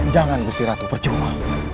jangan gusti ratu percuma